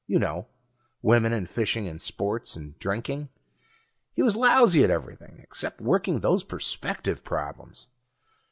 You know ... women and fishing and sports and drinking; he was lousy at everything except working those perspective problems.